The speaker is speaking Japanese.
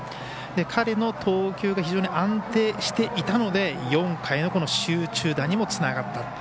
彼の投球が非常に安定していたので４回の集中打にもつながった。